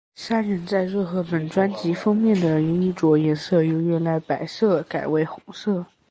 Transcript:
三人在热贺本专辑封面的衣着颜色由原来的白色改为红色。